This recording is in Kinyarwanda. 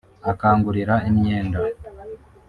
akangurira imyenda